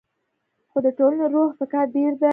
خو د ټولنې رول پکې ډیر دی.